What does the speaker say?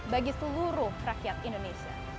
bagi seluruh rakyat indonesia